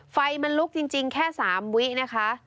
ไฟมันลุกจริงแค่๓วินะคะ